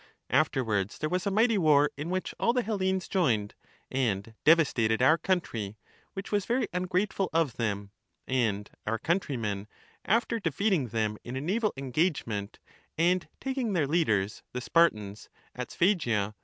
Afterwards there was a mighty war, in which all the Hellenes joined, and devastated our country, which was very ungrateful of them ; and our countrymen, after defeating them in a naval engagement and taking their leaders, the Spartans, at Sphagia, Sphacteria.